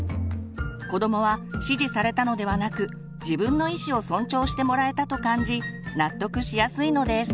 子どもは指示されたのではなく「自分の意思」を尊重してもらえたと感じ納得しやすいのです。